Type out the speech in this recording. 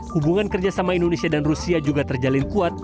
hubungan kerjasama indonesia dan rusia juga terjalin kuat